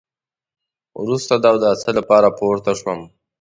وروسته د اوداسه لپاره پورته شوم.